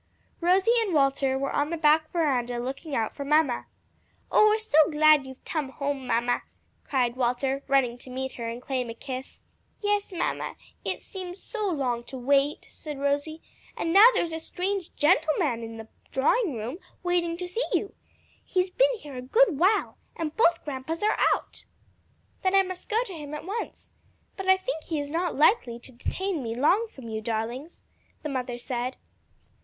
Rosie and Walter were on the back veranda looking out for mamma. "Oh we're so glad you've tum home, mamma!" cried Walter, running to meet her and claim a kiss. "Yes, mamma, it seemed so long to wait," said Rosie, "and now there is a strange gentleman in the drawing room, waiting to see you. He's been here a good while, and both grandpas are out." "Then I must go to him at once. But I think he is not likely to detain me long away from you, darlings," the mother said.